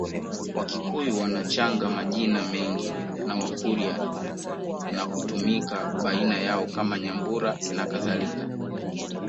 Wakikuyu wanachanga majina mengi na Wakurya na kutumika baina yao kama Nyambura nakadhalika